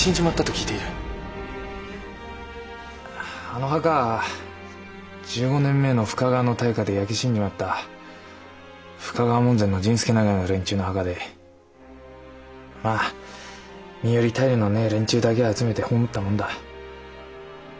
あの墓は１５年前の深川の大火で焼け死んじまった深川門前の甚助長屋の連中の墓でまあ身寄り頼りのねえ連中だけを集めて葬ったもんだ。